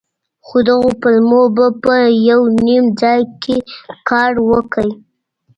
خو دغو پلمو به په يو نيم ځاى کښې کار وکړ.